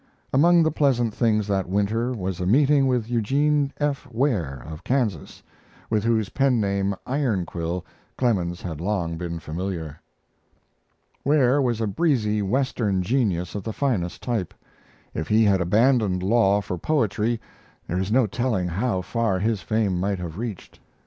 Among the pleasant things that winter was a meeting with Eugene F. Ware, of Kansas, with whose penname "Ironquill" Clemens had long been familiar. Ware was a breezy Western genius of the finest type. If he had abandoned law for poetry, there is no telling how far his fame might have reached.